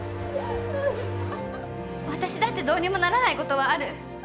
私だってどうにもならないことはある。